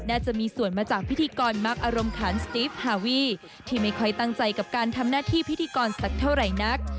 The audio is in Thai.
น่าจะมีส่วนมาจากพิธีกรมักอารมณ์ขันสติฟฮาวีที่ไม่ค่อยตั้งใจกับการทำหน้าที่พิธีกรสักเท่าไหร่นัก